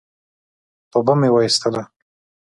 توبه مي واېستله !